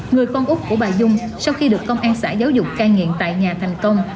người con úc của bà dung sau khi được công an xã giáo dục cai nghiện tại nhà thành công